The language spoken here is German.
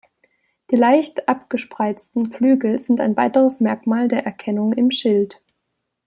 Die leicht abgespreizten Flügel sind ein weiteres Merkmal der Erkennung im Schild.